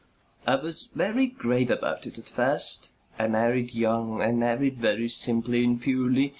"I was very grave about it at first. I married young. I married very simply and purely.